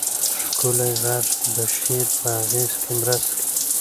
ښکلی غږ د شعر په اغېز کې مرسته کوي.